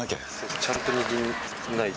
ちゃんと握んないと。